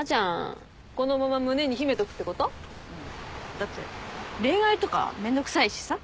だって恋愛とかめんどくさいしさ。